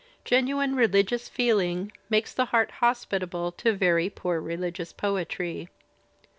Genuine religious feeling makes the heart hospitable to very poor religious poetry.